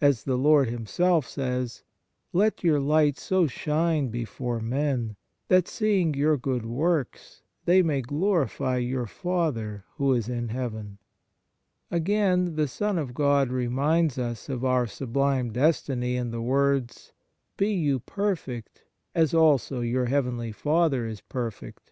As the Lord Himself says: Let your light so shine before men, that seeing your good works they may glorify your Father who is in heaven/ "* Again, the Son of God reminds us of our sublime destiny in the words: " Be you perfect, as also your heavenly Father is perfect."